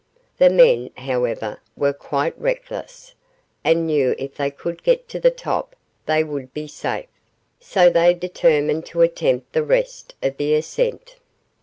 The men, however, were quite reckless, and knew if they could get to the top they would be safe, so they determined to attempt the rest of the ascent.